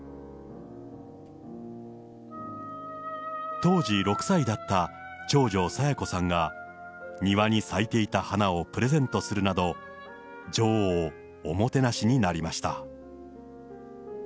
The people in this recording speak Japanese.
当時６歳だった長女、清子さんが庭に咲いていた花をプレゼントするなど、女王をおもてなしになりました。